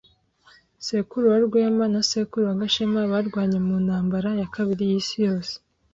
Sekuru wa Rwema na sekuru wa Gashema barwanye mu Ntambara ya Kabiri y'Isi Yose.